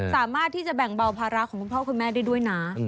สามารถที่จะแบ่งเบาภาระของคุณพ่อคุณแม่ได้ด้วยนะ